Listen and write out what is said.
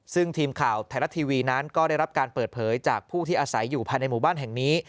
ซึ่งทีมข่าวไทยรัฐทีวีนั้นก็ได้รับการเปิดเผยจากผู้ที่อาศัยอยู่ภายในหมู่บ้านแห่งนี้